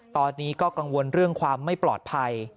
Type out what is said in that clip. ตอนนี้ก็กังวลเรื่องความไม่ปลอดภัย